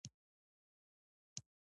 د لوګر په ازره کې د مسو نښې شته.